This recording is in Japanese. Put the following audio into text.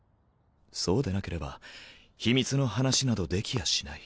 そうでなければ秘密の話などできやしない。